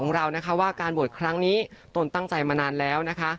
เรานะคะว่าการบวชครั้งนี้ตนตั้งใจมานานแล้วนะคะ